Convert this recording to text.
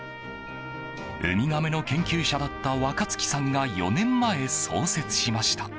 ウミガメの研究者だった若月さんが４年前創設しました。